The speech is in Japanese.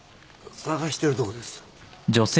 探してるとこですわ。